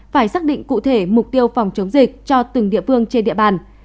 phải xác định cụ thể mục tiêu phòng chống dịch cho từng địa phương trên địa bàn